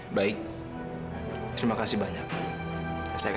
iya dokter gimana kalo dokter makan bareng bareng sama kita